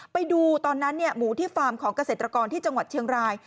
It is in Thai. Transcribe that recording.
ไปดูตอนนั้นหมูที่ฟาร์มของเกษตรกรที่จังหวัดเชียงราย